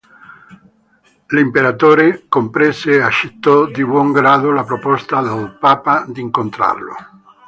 L'imperatore comprese e accettò di buon grado la proposta del papa d'incontrarlo.